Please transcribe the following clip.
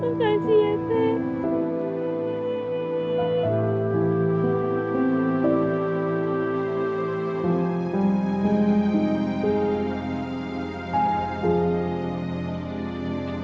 makasih ya teh